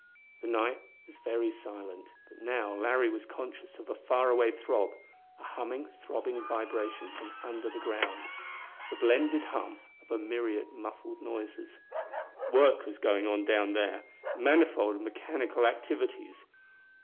The night was very silent, but now Larry was conscious of a faraway throb a humming, throbbing vibration from under the ground: the blended hum of a myriad muffled noises. Work was going on down there; manifold mechanical activities.